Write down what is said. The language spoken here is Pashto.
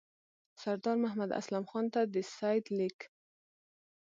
سردار محمد اسلم خان ته د سید لیک.